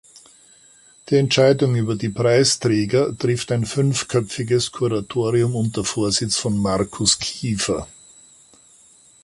Die Entscheidung über die Preisträger trifft ein fünfköpfiges Kuratorium unter Vorsitz von Markus Kiefer.